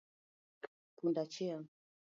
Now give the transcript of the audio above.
Punda achiel